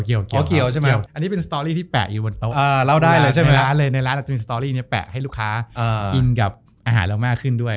เกี่ยวอันนี้เป็นสตอรี่ที่แปะอยู่บนโต๊ะในร้านเราจะมีสตอรี่แปะให้ลูกค้าอินกับอาหารเรามากขึ้นด้วย